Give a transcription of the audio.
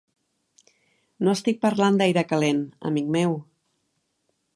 No estic parlant d'aire calent, amic meu.